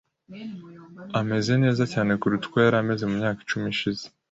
Ameze neza cyane kuruta uko yari ameze mu myaka icumi ishize.